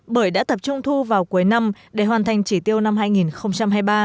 bởi đã tập trung thu vào cuối năm để hoàn thành chỉ tiêu năm hai nghìn hai mươi ba